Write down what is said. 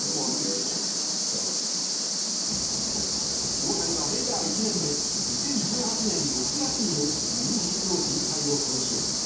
大谷はメジャー１年目２０１８年６月にも右ひじのじん帯を損傷。